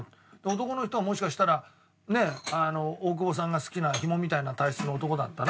男の人はもしかしたらね大久保さんが好きなヒモみたいな体質の男だったら。